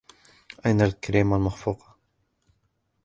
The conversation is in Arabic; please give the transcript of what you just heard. أين الكريمة المخفوقة؟